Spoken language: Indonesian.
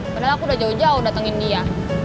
padahal aku udah jauh jauh datangin dia